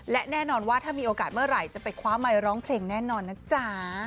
และแน่นอนว่าถ้ามีโอกาสเมื่อไหร่จะไปคว้าไมค์ร้องเพลงแน่นอนนะจ๊ะ